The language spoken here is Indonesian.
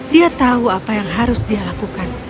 dia tahu apa yang harus dia lakukan